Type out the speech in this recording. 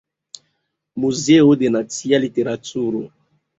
Muzeo de Nacia Literaturo.